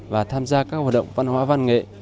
và tham gia các hoạt động văn hóa văn nghệ